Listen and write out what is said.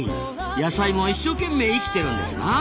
野菜も一生懸命生きてるんですな。